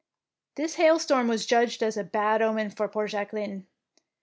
This hail storm was judged a bad omen for poor Jacqueline.